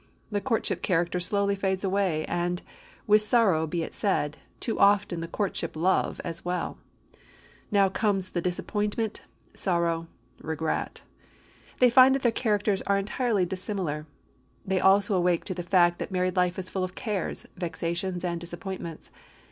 The courtship character slowly fades away, and, with sorrow be it said, too often the courtship love as well. Now comes disappointment, sorrow, regret. They find that their characters are entirely dissimilar; they also awake to the fact that married life is full of cares, vexations, and disappointments.